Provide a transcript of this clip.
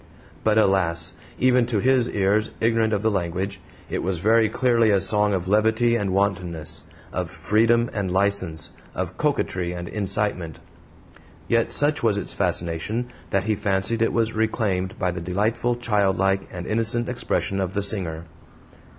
But alas! even to his ears, ignorant of the language, it was very clearly a song of levity and wantonness, of freedom and license, of coquetry and incitement! Yet such was its fascination that he fancied it was reclaimed by the delightful childlike and innocent expression of the singer.